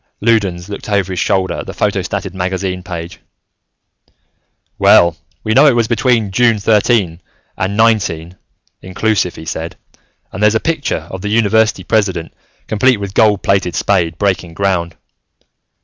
Loudons looked over his shoulder at the photostated magazine page. "Well, we know it was between June thirteen and nineteen, inclusive," he said. "And there's a picture of the university president, complete with gold plated spade, breaking ground.